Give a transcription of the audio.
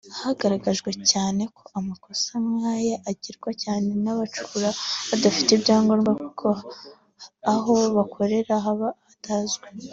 ahagaragajwe ko amakosa nk’aya agirwa cyane n’aba bacukura badafite ibyangombwa kuko aho bakorera haba batazwi